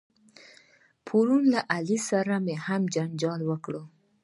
پرون له علي سره هم جنجال وکړ.